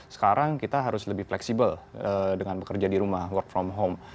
sekarang kita harus lebih fleksibel dengan bekerja di rumah work from home